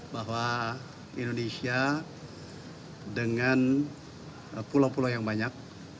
bahwa indonesia dengan pulau pulau yang banyak